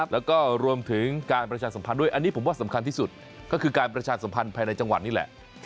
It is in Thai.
แล้วก็รวมถึงการประชาสัมพันธ์ด้วยอันนี้ผมว่าสำคัญที่สุดก็คือการประชาสัมพันธ์ภายในจังหวัดนี่แหละ